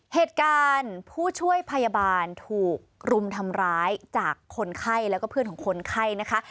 เหตุการณ์ผู้ช่วยพยาบาลถูกรุมทำร้ายจากคนไข้แล้วก็เพื่อนของคนไข้นะคะ